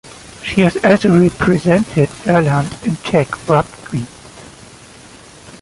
She has also represented Ireland in tag rugby.